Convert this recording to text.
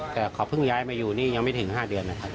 แต่เขาเพิ่งย้ายมาอยู่นี่ยังไม่ถึง๕เดือนนะครับ